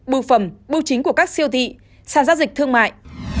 bưu phẩm bưu chính của các siêu thị sản gia dịch thương mại